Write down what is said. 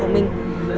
của nước mình